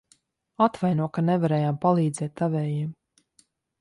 Atvaino, ka nevarējām palīdzēt tavējiem.